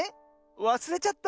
わすれちゃった？